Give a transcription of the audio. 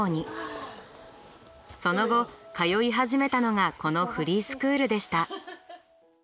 その後通い始めたのがこのフリースクールでした。